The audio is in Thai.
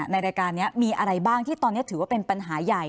ในรายการนี้มีอะไรบ้างที่ตอนนี้ถือว่าเป็นปัญหาใหญ่